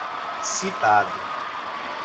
citado